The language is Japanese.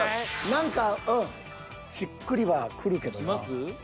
何かうんしっくりはくるけどな。